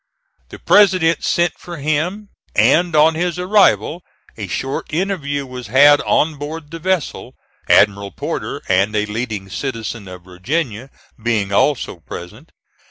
The President sent for him, and, on his arrival, a short interview was had on board the vessel, Admiral Porter and a leading citizen of Virginia being also present.